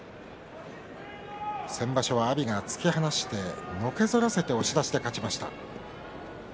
先場所は阿炎が突き放してのけぞらせて押し出しで勝っています。